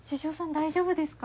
大丈夫ですか？